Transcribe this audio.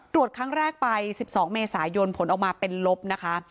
ครั้งแรกไป๑๒เมษายนผลออกมาเป็นลบนะคะ